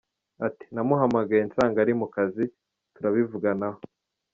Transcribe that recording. Ati “Namuhamagaye nsanga ari mu kazi, turabivuganaho.